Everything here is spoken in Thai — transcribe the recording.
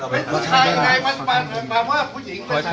ไม่สมควรที่จะไปทุกท่าผู้หลุด